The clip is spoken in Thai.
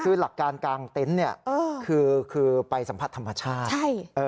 คือหลักการกางเต็นต์เนี่ยคือไปสัมผัสธรรมชาติ